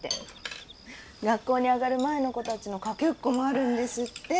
学校に上がる前の子たちのかけっこもあるんですって。